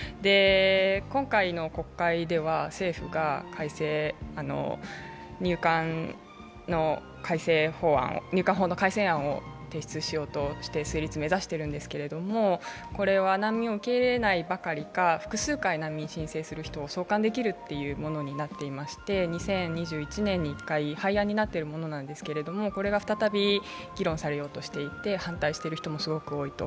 今回の国会では政府が入管法の改正案を提出しようとして成立を目指してるんですけど、これは難民を受け入れないばかりか複数回、難民を申請している人を送還できるとなっていまして２０２１年に一回廃案になっているものですが、これが再び議論されようとしていて反対している人もすごく多いと。